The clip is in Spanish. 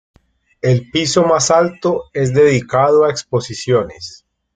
El piso más alto es dedicado a exposiciones.